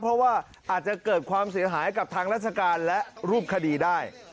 เพราะว่าอาจจะเกิดความเสียหายกับทางราชการและรูปคดีได้